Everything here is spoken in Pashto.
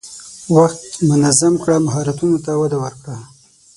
وخت منظم کړه، مهارتونو ته وده ورکړه.